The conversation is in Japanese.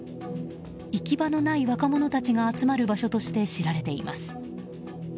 行き場のない若者たちが集まる場所として知られています。